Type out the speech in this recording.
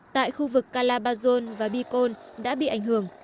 tại khu vực calabazon và bicol đã bị ảnh hưởng